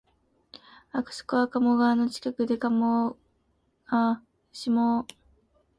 あそこは鴨川の近くで、下鴨の森林美はもとより、